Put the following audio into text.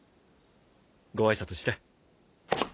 ご挨拶して。